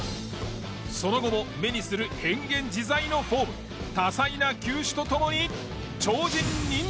その後も目にする変幻自在のフォーム多彩な球種とともに超人認定。